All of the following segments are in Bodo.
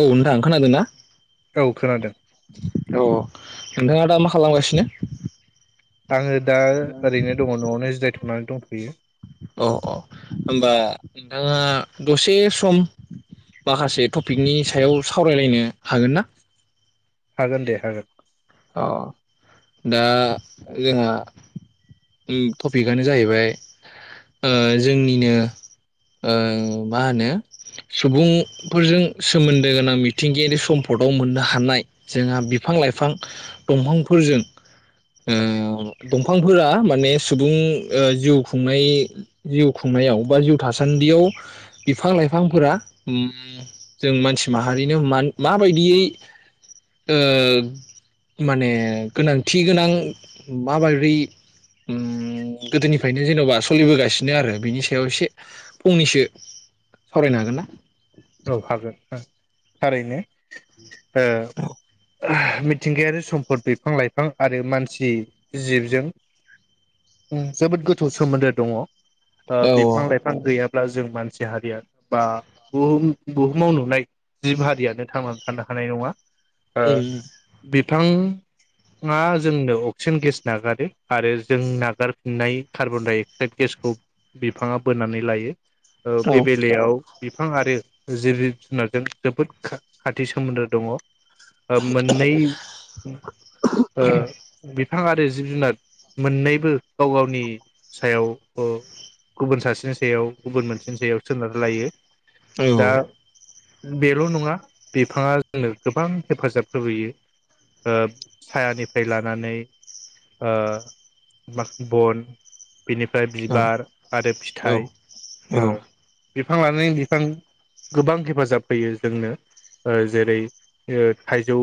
औ नोंथां खोनादों ना औ खोनादों औ नोंथाङा दा मा खालामगासिनो आङो दा ओरैनो दङ न'आवनो जिरायथ'नानै दं बेैयो अ अ होमबा नोंथाङा दसे सम माखासे टपिकनि सायाव सावरायलायनो हागोन ना हागोन दे हागोन अ दा जोंहा उम टपिकआनो जाहैबाय ओ जोंनिनो ओ मा होनो सुबुंफोरजों सोमोनदो गोनां मिथिंगायारि समफदआव मोननो हानाय जोंहा बिफां- लाइफां दंफांफोरजों ओ दंफांफोरा माने सुबुं ओ जिउ खुंनाय जिउ खुंनायाव बा जिउ थासानदियाव बिफां लाइफांफोरा उम जों मानसि माहारिनो माबायदियै ओ माने गोनांथि गोनां माबारै उम गोदोनिफ्रायनो जेन'बा सोलिबोगासिनो आरो बिनि सायाव एसे फंनैसो सावरायनो हागोन ना औ हागोन थारैनो हो मिथिंगायारि समफद बिफां लाइफां आरो मानसि जिबजों उ जोबोद गोथौ सोमोनदो दङ ओ बिफां औ लाइफां गैया ब्ला जों मानसि हारिया बा बुहुम बुहुमाव नुनाय जिब हारियानो थांनानै थानो हानाय नङा ओ बि बिफांङा जोंनो अक्सिजेन गेस नागारो आरो जों नागारफिननाय कार्बन डाइ अक्साइड गेसखौ बिफाङा बोनानै लायो ओ बे बेलायाव बिफां आरो जिब जुनारजों जोबोद खाथि सोमोनदो दङ ओ मोननै ओ बिफां आरो जिब जुनार मोननैबो गाव गावनि सायाव ओ गुबुन सासेनि सायाव गुबुन मोनसेनि सायाव सोनार लायो औ दा बेल' नङा बिफाङा जोंनो गोबां हेफाजाब होबोयो ओ सायानिफ्राय लानानै ओ बन बिनिफ्राय बिबार आरो औ फिथाइ ओ बिफां लानानै बिफां गोबां हेफाजाब होयो जोंनो ओ जेरै ओ थाइजौ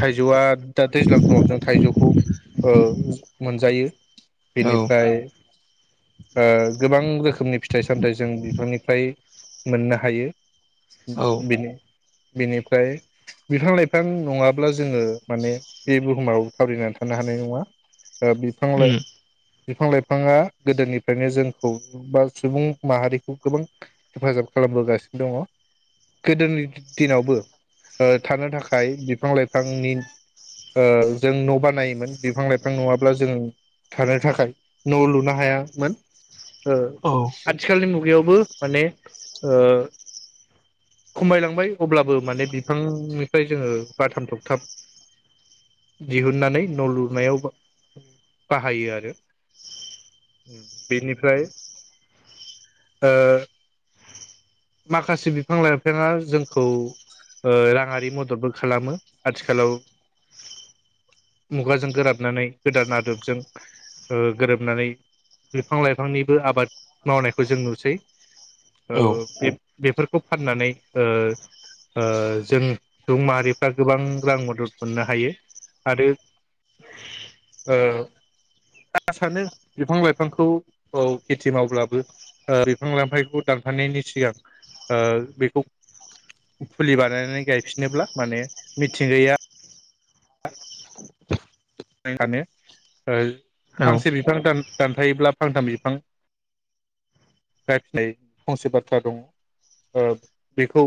थाइजौआ दा दैज्लां समाव जों थाइजौखौ ओ मोनजायो औ बेनिफ्राय ओ गोबां रोखोमनि फिथाइ सामथाइ जों बिफांनिफ्राय मोननो हायो बिनो बेनिफ्राय बिफां लाइफां नङाब्ला जोङो माने बे बुहुमाव थावरिनानै थानो हानाय नङा ओ बिफां लाइ बिफां लाइफाङा गोदोनिफ्रायनो जोंखौ बा सुबुं माहारिखौ गोबां हेफाजाब खालामबोगासिनो दङ गोदोनि दिनावबो ओ थानो थाखाय बिफां लाइफांनि जों ओ न' बानायोमोन बिफां लाइफां नङाब्ला जों थानो थाखाय न' लुनो हायामोन ओ औ आथिखालनि मुगायाव बो माने ओ खमायलांबाय अब्लाबो माने बिफांनिफ्राय जोङो बाथाम थबथाब दिहुननानै न' लुनायाव बाहायो आरो बेनिफ्राय माखासे बिफां लाइफाङा जोंखौ ओ राङारि मददबो खालामो आथिखालाव मुगाजों गोराबनानै गोदान आदबजों ओ गोरोबनानै बिफां लाइफांनिबो आबाद मावनायखौ जों नुसै औ बे बेफोरखौ फाननानै ओ ओ जों सुबुं माहारिफ्रा गोबां रां मदद मोननो हायो आरो ओ आं सानो बिफां लाइफांखौ औ खेथि मावब्लाबो बिफां लाइफांखौ दानफानायनि सिगां ओ बेखौ फुलि बानायनानै गायफिनोब्ला माने मिथिंगाया सानो ओ औ फांसे बिफां दानफायोब्ला फांथाम बिफां गायफिननाय फंसे बाथ्रा दङ ओ बेखौ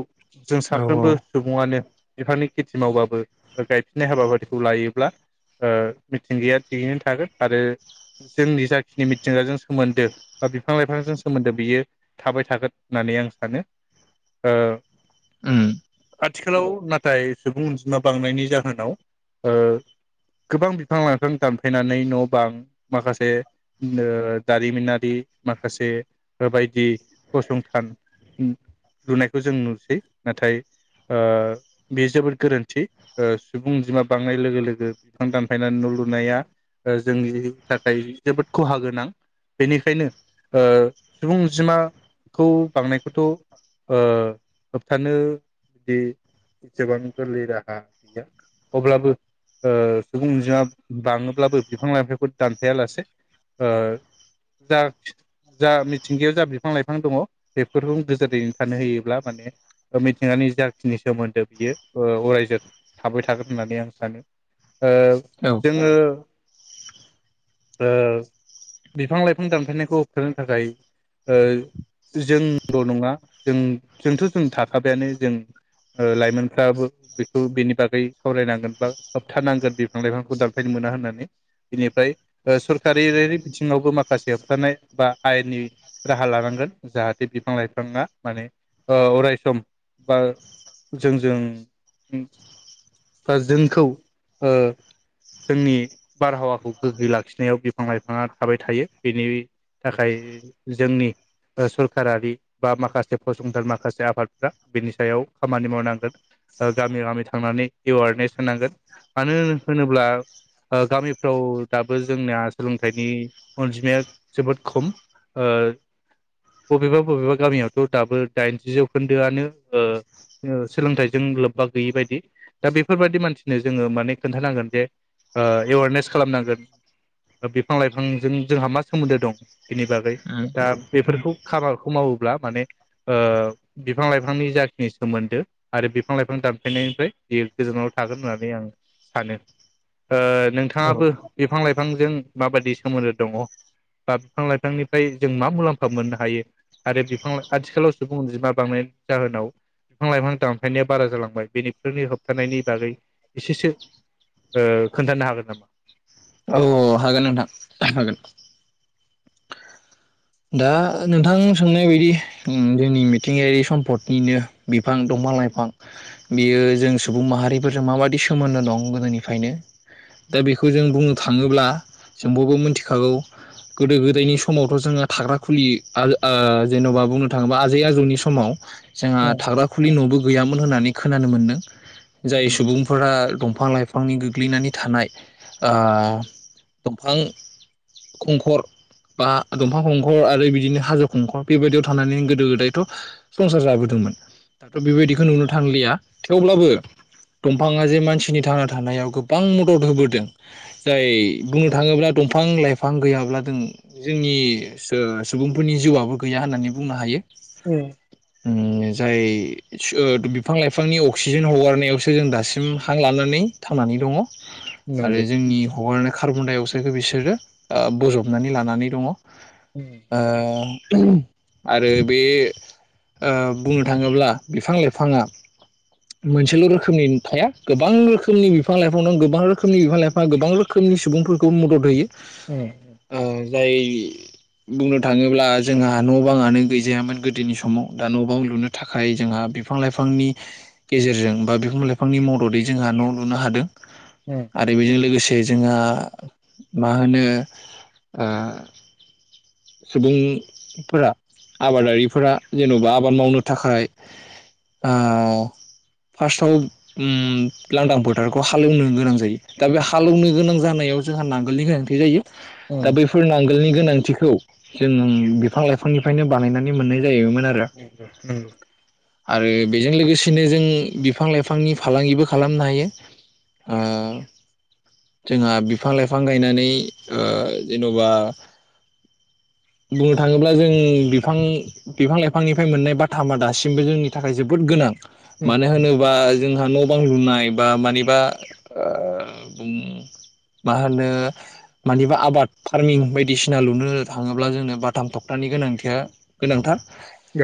जों औ साफ्रोमबो सुबुङानो बिफांनि खेथि मावबाबो गायफिननाय हाबाफारिखौ लायोब्ला ओ मिथिंगाया थिगैनो थागोन आरो जोंनि जाखिनि मिथिंगाजों सोमोन्दो बा बिफां लाइफांजों सोमोन्दो बियो थाबाय थागोन होननानै आं सानो ओ उम आथिखालाव नाथाय सुबुं अनजिमा बांनायनि जाहोनाव ओ गोबां बिफां लाइफां दानफायनानै न' बां माखासे ओ दारिमिनारि माखासे बायदि फसंथान लुनायखौ जों नुसै नाथाय ओ बे जोबोद गोरोन्थि ओ सुबुंजिमा बांनाय लोगो लोगो बिफां दानफायनानै न' लुनाया ओ जोंनि थाखाय जोबोद खहा गोनां बेनिखायनो ओ सुबुंजिमाखौ बांनायखौथ'ओ होबथानो बिदि जबां गोरलै राहा गैया अब्लाबो सुबुं अनजिमा बाङोब्लाबो बिफां लाइफांखौ दानफा लासे ओ जा जा मिथिंगायाव जा बिफां लाइफां दङ बेफोरखौ गोजोरैनो थानो होयोब्ला माने मिथिंगानि जाखिनि सोमोन्दो बियो ओ अरायजों थाबाय थागोन होननानै आं सानो ओ औ जोङो ओ बिफां लाइफां दानफायनायखौ होथानो थाखाय ओ जोंल' नङा जों जोंथ' जों थाखाबायानो जों ओ लाइमोनफ्राबो बेखौ बेनि बागै सावरायनांगोन बा होबथानांगोन बिफां लाइफांखौ दानफायनो मोना होननानै बिनिफ्राय ओ सरखारारि बिथिङावबो माखासे होबथानाय बा आयेननि राहा लानांगोन जाहाथे बिफां लाइफाङा माने ओ अरायस बा जोंजों बा जोंखौ ओ जोंनि बारहावाखौ गोग्गो लाखिनायाव बिफां लाइफाङा थाबाय थायो बेनि थाखाय जोंनि ओ सरकारि बा माखासे फसंथान माखासे आफादफ्रा बेनि सायाव खामानि मावनांगोन गामि गामि थांनानै एवारनेस होनांगोन मानो होनोब्ला ओ गामिफ्राव दाबो जोंनिया सोलोंथाइनि अनजिमाया जोबोद खम ओ बबेबा बबेबा गामियावथ' दाबो दाइनजि जौखोन्दोआनो ओ सोलोंथाइजों लोब्बा गैयि बायदि दा बेफोरबायदि मानसिनो जोङो म माने खोन्थानांगोन जे ओ एवारनेस खालामनांगोन बिफां लाइफांजों जोंहा मा सोमोन्दो दं बिनि बागै उम दा बेफोरखौ खामाखौ मावोब्ला माने ओ बिफां लाइफांनि जाखिनि सोमोन्दो आरो बिफां लाइफां दानफेनायनिफ्राय बे गोजानाव थागोन होननानै आं सानो ओ औ नोंथाङाबो बिफां लाइफांजों माबायदि सोमोन्दो दङ बा बिफां लाइफांनिफ्राय जों मा मुलाम्फा मोननो हायो आरो बिफां आथिखालाव सुबुं अनजिमा बांनायनि जाहोनाव बिफां लाइफां दानफायनाया बारा जालांबाय बेनिफोरनि होबथानायनि बागै एसेसो ओ खोन्थानो हागोन नामा औ हागोन नोंथां हागोन दा नोंथां सोंनाय बायदि उम जोंनि मिथिंगायारि सम्पदनिनो बिफां दंफा लाइफां बेयो जों सुबुं माहारिफोरजों माबायि सोमोन्दो दं गोदोनिफ्रायनो दा बेखौ जों बुंनो थाङोब्ला जों बयबो मिथिखागौ गोदो गोदायनि समावथ' जोङो थाग्रा खुलि जेन'बा ओ ओबुंनो थाङोबा आजै आजौनि समाव जोंहा थाग्रा खुलि न'बो गैयामोन होननानै खोनानो मोन्दों जाय सुबुंफोरा दंफां लाइफांनि गोग्लैनानै थानाय ओ दंफां खंखर बा दं दंफां खंखर आरो बिदिनो हाजो खंखर बेबायदियाव थानानै गोदो गोदायथ' संसार जाबोदोंमोन दाथ' बेबायदिखौ नुनो थांलिया थेवब्लाबो दंफाङा जे मानसिनि थांना थानायाव गोबां मदद होबोदों जाय बुंनो थाङोब्ला दंफां लाइफां गैयाब्ला जों जोंनि सुबुंफोरनि जिउआबो गैया होननानै बुंनो हायो उम जाय बिफां लाइफांनि अक्सिजेन हगारनायावसो जों दासिम हां लानानै थांनानै दङ आरो नंगौ जोंनि हगारनाय कार्बन दाइ अक्साइखौ बिसोरो ओ बजबनानै लानानै दङ उम अ आरो बे ओ बुंनो थाङोब्ला बिफां लाइफाङा मोनसेल' रोखोमनि थाया गोबां रोखोमनि बिफां लाइफां दं गोबां रोखोमनि बिफां लाइफां गोबां रोखोमनि सुबुंफोरखौ मदद होयो ए ओ जाय बुंनो थाङोब्ला जोंहा न' बाङानो गैजायामोन गोदोनि समाव दा न' बां लुनो थाखाय जोंहा बिफां लाइफांनि गेजेरजों बा बिफां लाइफांनि मददै जोंहा न' लुनो हादों उम आरो बेजों लोगोसे से जोंहा मा होनो सुबुंफोरा आबादारिफोरा जेन'बा आबाद मावनो थाखाय ओ फार्स्टआव उम लांदां फोथारखौ हालेवनो गोनां जायो दा बे नंगौ हालौवनो गोनां जानायाव जोंहा नांगोलनि गोनांथि जायो दा बैफोर नां गोलनि गोनांथिखौ जों बिफां लाइफांनिफ्रायनो बानायनानै मोननाय जायो [unintelligible] आरो बेजों लोगोसेनो जों बिफां लाइफांनि फालांगिबो खालामनो हायो ओ जोंहा बिफां लाइफां गायनानै ओ जेन'बा बुंनो थाङोब्ला जों बिफां बिफां लाइफांनिफ्राय मोननाय बाथामा दासिमबो जोंनि थाखाय जोबोद गोनां मानो होनोबा जोंहा न' बां लुनाय बा मानिबा ओ मा होनो मानिबा आबाद फारमिं बायदिसिना लुनो थाङोब्ला जोंनो बाथाम थबथानि गोनांथिया गोनांथार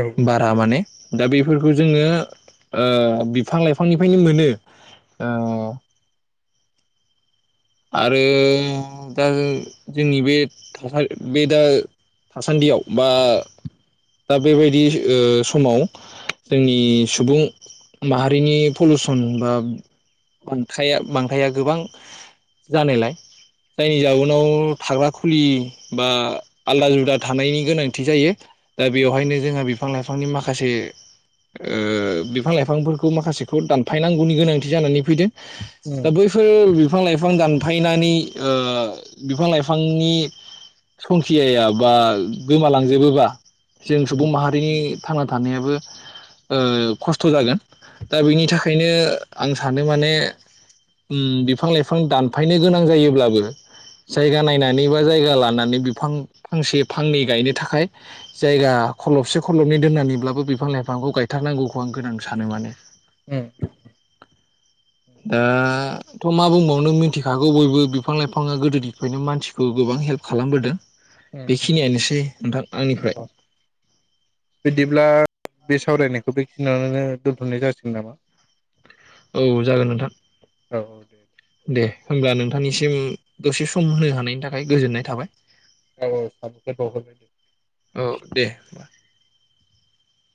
औ बारा माने दा बेफोरखौ जोङो ओ बिफां लाइफांनिफ्रायनो मोनो ओ आरो ओ दा जोंनि बे थासारि बे दा थासान्दियाव बा दा बेबायदि ओ समाव जोंनि सुबुं माहारिनि पलिुसन बा बां बांखाया गोबां जानायलाय जायनि जाउनाव थाग्रा खुलि बा आलदा जुदा थानायनि गोनांथि जायो दा बेवहायनो जोंहा बिफां लाइफांनि माखासे ओ बिफां लाइफांफोरखौ माखासेखौ दानफायनांगौनि गोनांथि जानानै फैदों उम दा उम बैफोर बिफां लाइफां दानफायनानै ओ बिफां लाइफांनि संखियाया बा गोमालांजोबोबा जों सुबुं माहारिनि थांना थानायाबो ओ खस्थ' जागोन दा बेनि थाखायनो आं सानो माने उम बिफां लाइफां दानफायनो गोनां जायोब्लाबो जायगा नायनानै बा जायगा लानानै माने बिफां फांसे फांनै गायनो थाखाय जायगा खलबसे खलबनै दोननानैब्लाबो बिफां लाइफांखौ गायथारनांगौखौ आं गोनां सानो माने औ दाथ' मा बुंबावनो मिथिखागौ बयबो बिफां लाइफाङा गोदोनिफ्रायनो मानसिखौ गोबां हेल्प खालामबोदों उम औ बेखिनियानोसै नोंथां आंनिफ्राय औ बिदिब्ला बे सावरायनायखौ बेखिनियावननो दोन्थ'नाय जासिगोन नामा औ जागोन नोंथां औ दे होमब्ला नोंथांनिसिम दसे सम होनो हानायनि थाखाय गोजोननाय थाबाय औ [unintelligible] [unintelligible]